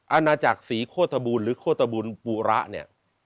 อาณาจักรศรีโฆษบูรณหรือโฆษบูลปูระเนี่ย